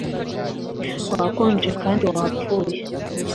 wakonje kandi wapfuye